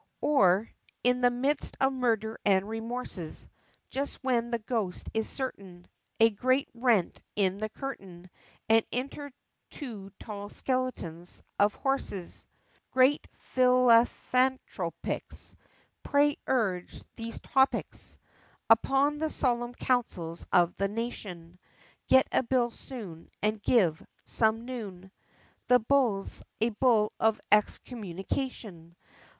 Or, in the midst of murder and remorses, Just when the Ghost is certain, A great rent in the curtain, And enter two tall skeletons of Horses! Great Philanthropics! pray urge these topics Upon the Solemn Councils of the Nation, Get a Bill soon, and give, some noon, The Bulls, a Bull of Excommunication!